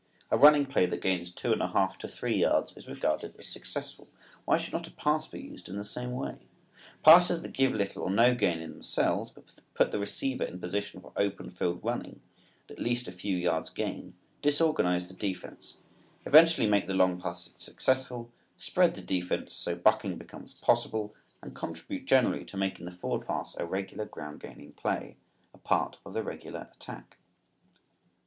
A running play that gains two and a half to three yards is regarded as successful. Why should not the pass be used in the same way? Passes that give little or no gain in themselves, but put the receiver in position for open field running, and at least a few yards gain, disorganize the defense, eventually make the long passes successful, spread the defense so bucking becomes possible, and contribute generally to making the forward pass a regular ground gaining play a part of the regular attack.